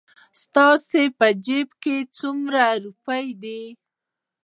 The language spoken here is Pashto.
ستا په جېب کې څو روپۍ دي؟